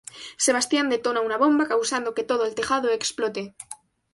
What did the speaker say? Sebastian detona una bomba causando que todo el tejado explote.